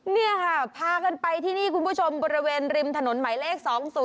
นี่ค่ะพากันไปที่นี่คุณผู้ชมบริเวณริมถนนหมายเลข๒๐